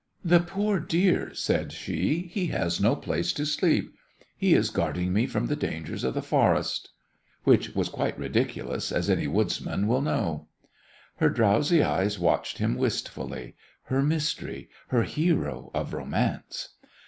"The poor dear," said she, "he has no place to sleep. He is guarding me from the dangers of the forest." Which was quite ridiculous, as any woodsman will know. Her drowsy eyes watched him wistfully her mystery, her hero of romance.